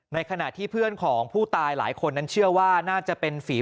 ในขณะที่เพื่อนของผู้ตายหลายคนนั้นเชื่อว่าน่าจะเป็นฝี